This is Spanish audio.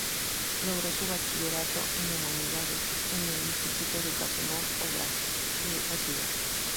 Logró su bachillerato en Humanidades en el "Instituto Educacional Obrajes" de esa ciudad.